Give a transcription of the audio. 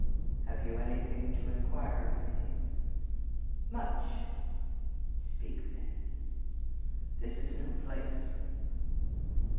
"Have you anything to inquire of me?" "Much." "Speak, then." "This is no place."